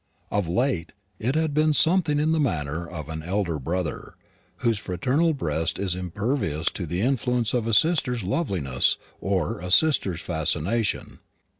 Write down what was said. Of late it had been something in the manner of an elder brother, whose fraternal breast is impervious to the influence of a sister's loveliness or a sister's fascination.